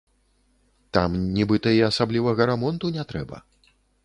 Там, нібыта, і асаблівага рамонту не трэба.